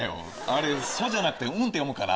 あれ「ソ」じゃなくて「ン」って読むから。